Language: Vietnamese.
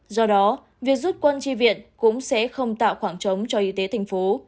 do đó việc rút quân tri viện cũng sẽ không tạo khoảng trống cho y tế tp hcm